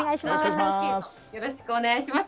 よろしくお願いします。